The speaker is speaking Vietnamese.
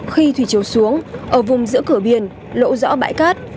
khi thủy chiều xuống ở vùng giữa cửa biển lộ rõ bãi cát